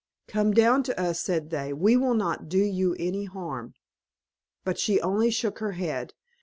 "Come down to us," said they, "we will not do you any harm." But she only shook her head.